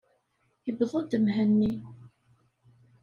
Iwweḍ-d Mhenni.